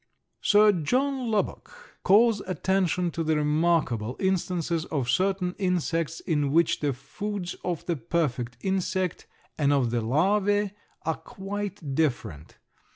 Sir John Lubbock calls attention to the remarkable instances of certain insects in which the foods of the perfect insect and of the larvæ are quite different.